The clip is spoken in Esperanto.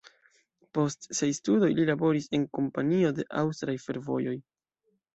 Post siaj studoj li laboris en Kompanio de Aŭstraj Fervojoj.